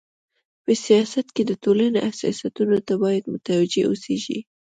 په سیاست کي د ټولني حساسيتونو ته بايد متوجي و اوسيږي.